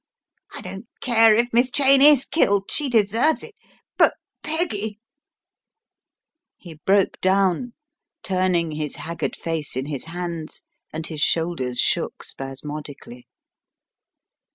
I don't care if Miss Cheyne u killed, she deserves it, but Peggy " He broke down, turning his haggard face in hie hands and his shoulders shook spasmodically.